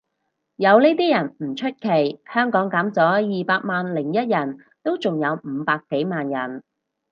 有呢啲人唔出奇，香港減咗二百萬零一人都仲有五百幾萬人